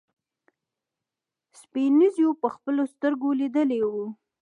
سپينږيرو په خپلو سترګو ليدلي وو.